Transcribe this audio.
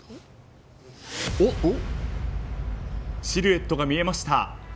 シルエットが見えました。